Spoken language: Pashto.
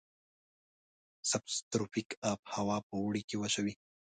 سب تروپیک آب هوا په اوړي کې وچه وي.